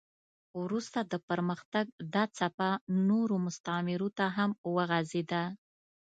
وروسته د پرمختګ دا څپه نورو مستعمرو ته هم وغځېده.